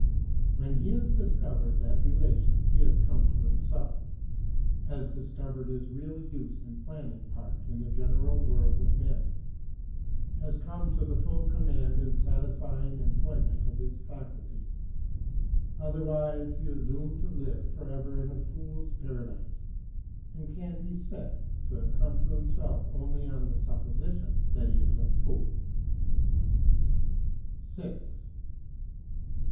When he has discovered that relation, he has come to himself: has discovered his real use and planning part in the general world of men; has come to the full command and satisfying employment of his faculties. Otherwise he is doomed to live for ever in a fool's paradise, and can be said to have come to himself only on the supposition that he is a fool.